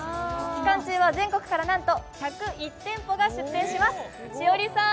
期間中は全国からなんと１０１店舗が出店します。